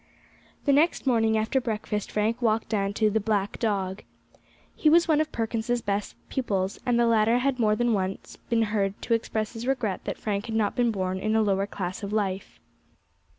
The next morning, after breakfast, Frank walked down to "The Black Dog." He was one of Perkins's best pupils, and the latter had more than once been heard to express his regret that Frank had not been born in a lower class of life.